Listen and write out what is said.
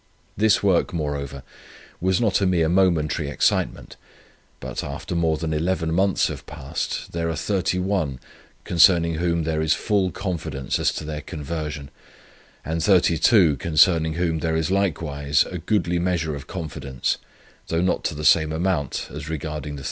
This work, moreover, was not a mere momentary excitement; but, after more than eleven months have elapsed, there are 31 concerning whom there is full confidence as to their conversion, and 32 concerning whom there is likewise a goodly measure of confidence, though not to the same amount, as regarding the 31.